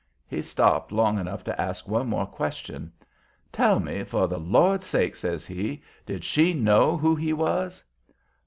He stopped long enough to ask one more question. "Tell me, for the Lord's sake!" says he. "Did she know who he was?"